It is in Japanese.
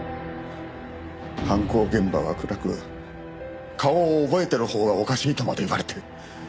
犯行現場は暗く顔を覚えているほうがおかしいとまで言われて。